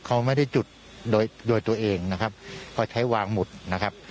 เขาไม่ได้จุดโดยโดยตัวเองนะครับก็ใช้วางหมดนะครับ